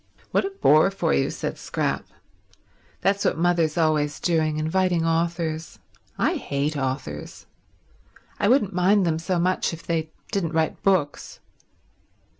"What a bore for you," said Scrap. "That's what mother's always doing—inviting authors. I hate authors. I wouldn't mind them so much if they didn't write books.